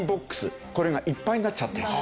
これがいっぱいになっちゃって。